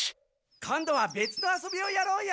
今度はべつの遊びをやろうよ。